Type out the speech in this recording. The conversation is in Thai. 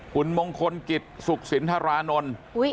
คุณมงคลกิจศุกษิณธรานนทร์